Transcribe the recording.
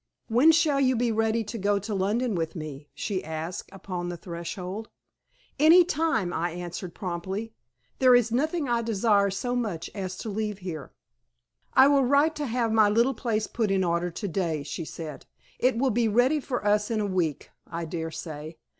"When shall you be ready to go to London with me?" she asked, upon the threshold. "Any time," I answered, promptly. "There is nothing I desire so much as to leave here." "I will write to have my little place put in order to day," she said. "It will be ready for us in a week, I dare say.